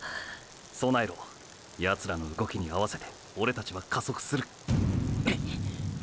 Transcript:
備えろ。ヤツらの動きに合わせてオレたちは加速する。っ！！